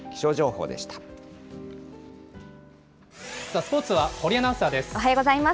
スポーツは堀アナウンサーです。